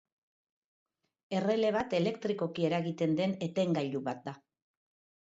Errele bat elektrikoki eragiten den etengailu bat da.